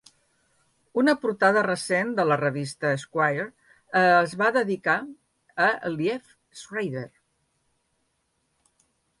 Una portada recent de la revista "Esquire" es va dedicar a Liev Schreiber.